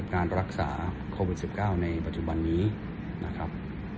การรักษาโควิด๑๙ในปัจจุบันนี้นะครับ